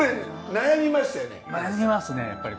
悩みますねやっぱり。